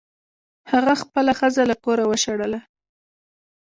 هغه خپله ښځه له کوره وشړله.